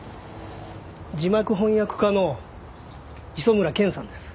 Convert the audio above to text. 字幕翻訳家の磯村健さんです。